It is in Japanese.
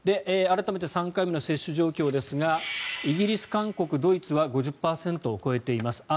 改めて３回目の接種状況ですがイギリス、韓国、ドイツは５０％を超えています。